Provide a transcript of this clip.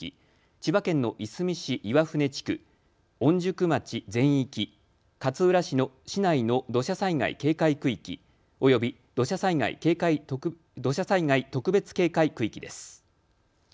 千葉県のいすみ市岩船地区、御宿町全域、勝浦市の市内の土砂災害警戒区域、および土砂災害特別警戒区域です。